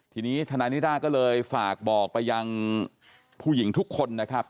ทีนี้ทนายนิด้าก็เลยฝากบอกไปยังผู้หญิงทุกคนนะครับ